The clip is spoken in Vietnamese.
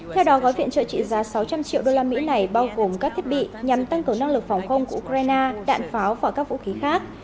theo đó gói viện trợ trị giá sáu trăm linh triệu đô la mỹ này bao gồm các thiết bị nhằm tăng cầu năng lực phòng không của ukraine đạn pháo và các vũ khí khác